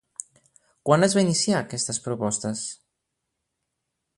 Quan es van iniciar aquestes propostes?